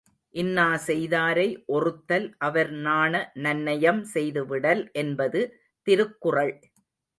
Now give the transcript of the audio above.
இன்னாசெய் தாரை ஒறுத்தல் அவர்நாண நன்னயம் செய்து விடல் என்பது திருக்குறள்.